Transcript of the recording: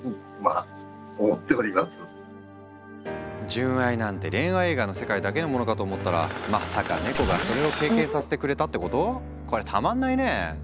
純愛なんて恋愛映画の世界だけのものかと思ったらまさかネコがそれを経験させてくれたってこと⁉こりゃたまんないね！